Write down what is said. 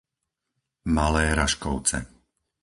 Malé Raškovce